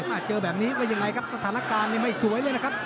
ตอนนี้นะครับเจอแบบนี้ว่ายังไงครับสถานการณ์หนึ่งภัยสวยเลยนะครับ